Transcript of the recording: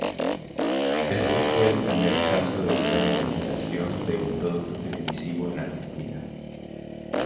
Este fue el primer caso de una novelización de un producto televisivo en Argentina.